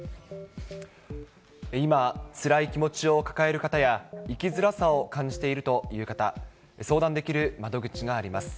今、つらい気持ちを抱える方や、生きづらさを感じているという方、相談できる窓口があります。